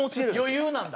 余裕なんだ。